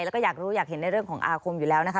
แล้วก็อยากรู้อยากเห็นในเรื่องของอาคมอยู่แล้วนะคะ